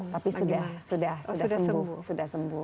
tapi sudah sembuh